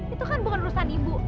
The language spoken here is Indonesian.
itu kan bukan urusan ibu